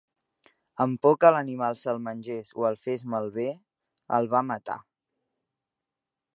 Amb por que l'animal se'l mengés o el fes malbé, el va matar.